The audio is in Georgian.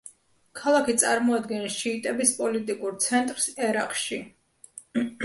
ქალაქი წარმოადგენს შიიტების პოლიტიკურ ცენტრს ერაყში.